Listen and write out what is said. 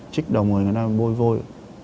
chích đầu người người ta bôi vôi